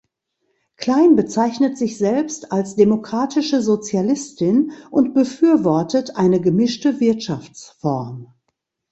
Klein bezeichnet sich selbst als demokratische Sozialistin und befürwortet eine gemischte Wirtschaftsform.